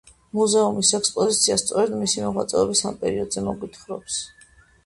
მუზეუმის ექსპოზიცია სწორედ მისი მოღვაწეობის ამ პერიოდზე მოგვითხრობს.